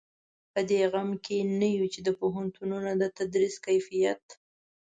په دې غم کې نه یو چې د پوهنتونونو د تدریس کیفیت.